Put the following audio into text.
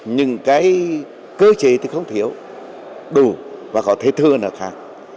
nhưng cái cơ chế thì không thiếu đủ và có thế thường ở khác